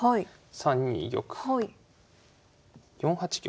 ３二玉４八玉。